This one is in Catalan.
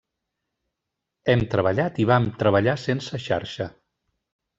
Hem treballat i vam treballar sense xarxa.